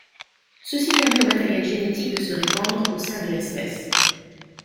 Ceci permet au matériel génétique de se répandre au sein de l'espèce.